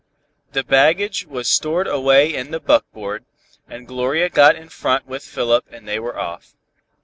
The baggage was stored away in the buck board, and Gloria got in front with Philip and they were off.